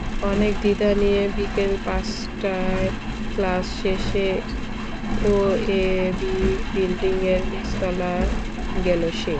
অনেক দ্বিধা নিয়ে বিকেল পাঁচটায় ক্লাস শেষে ওএবি বিল্ডিংয়ের নিচতলায় গেল সে।